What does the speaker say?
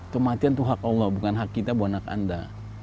kematian itu hak allah bukan hak kita buat anak anda